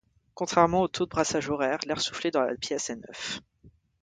Contrairement au taux de brassage horaire, l'air soufflé dans la pièce est neuf.